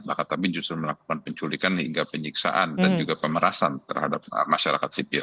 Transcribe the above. maka kami justru melakukan penculikan hingga penyiksaan dan juga pemerasan terhadap masyarakat sipil